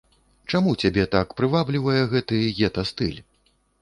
Чаму цябе так прываблівае гэты гета-стыль?